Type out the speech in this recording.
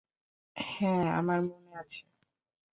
হ্যাঁ, আমার মনে আছে।